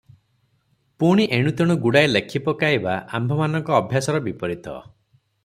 ପୁଣି ଏଣୁ ତେଣୁ ଗୁଡ଼ାଏ ଲେଖିପକାଇବା ଆମ୍ଭମାନଙ୍କ ଅଭ୍ୟାସର ବୀପରୀତ ।